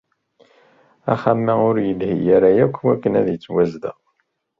Axxam-a ur yelhi ara akk akken ad yettwazdeɣ.